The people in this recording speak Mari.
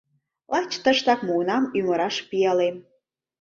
Лач тыштак муынам ӱмыраш пиалем.